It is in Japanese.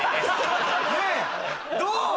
どう？